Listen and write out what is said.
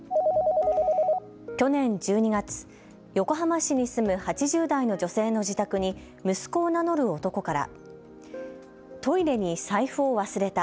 去年１２月、横浜市に住む８０代の女性の自宅に息子を名乗る男からトイレに財布を忘れた。